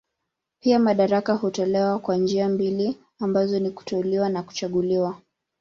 Pia madaraka hutolewa kwa njia mbili ambazo ni kuteuliwa na kuchaguliwa.